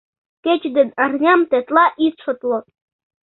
Кече ден арням тетла ит шотло